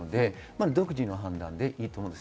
独自の判断でいいと思います。